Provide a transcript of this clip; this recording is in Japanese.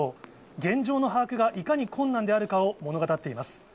現状の把握がいかに困難であるかを物語っています。